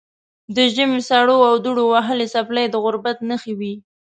د ژمي سړو او دوړو وهلې څپلۍ د غربت نښې وې.